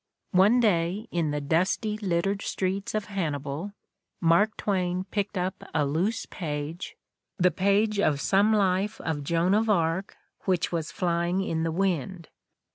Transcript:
One day, in the dusty, littered streets of Hannibal, Mark Twain picked up a loose page, the page of some life of Joan of Arc, which was flying in the wind.